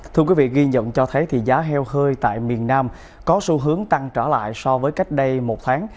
thưa quý vị ghi nhận cho thấy giá heo hơi tại miền nam có xu hướng tăng trở lại so với cách đây một tháng